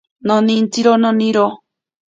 Nonintsiro noniro.